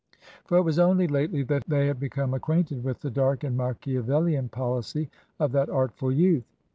For it was only lately that they had become acquainted with the dark and Machiavellian policy of that artful youth.